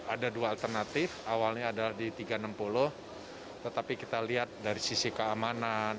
ada dua alternatif awalnya adalah di tiga ratus enam puluh tetapi kita lihat dari sisi keamanan